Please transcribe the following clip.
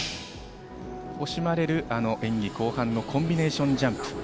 惜しまれる演技後半のコンビネーションジャンプ。